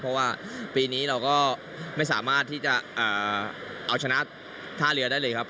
เพราะว่าปีนี้เราก็ไม่สามารถที่จะเอาชนะท่าเรือได้เลยครับ